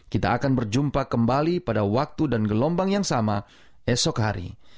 kita akan berjumpa kembali pada waktu dan gelombang yang sama esok hari